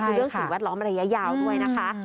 คือเรื่องสิ่งแวดล้อมระยะยาวด้วยนะคะ